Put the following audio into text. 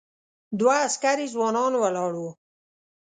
دوه عسکري ځوانان ولاړ و.